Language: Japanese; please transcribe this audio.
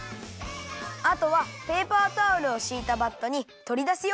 あとはペーパータオルをしいたバットにとりだすよ。